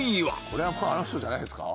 これはまああの人じゃないですか？